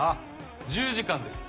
１０時間です。